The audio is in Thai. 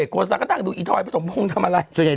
ก็ไม่รู้นั่งดูไปทั้งวัน